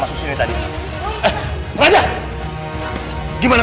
keuntung super taksi ini gampang banget sokok